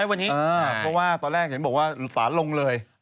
เพราะว่าตอนแรกเห็นบอกว่าสารลงเลย